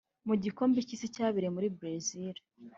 Mu gikombe cy’Isi cyabereye muri Brazil